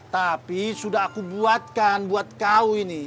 tapi sudah aku buatkan buat kau ini